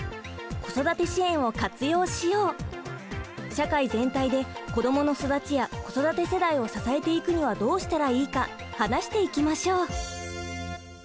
社会全体で子どもの育ちや子育て世代を支えていくにはどうしたらいいか話していきましょう！